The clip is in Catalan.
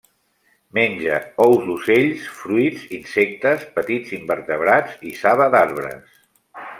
Menja ous d'ocells, fruits, insectes, petits invertebrats i saba d'arbres.